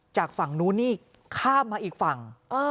จากฝั่งนู้นนี่ข้ามมาอีกฝั่ง